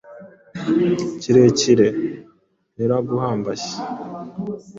kirekire yaragumbashye.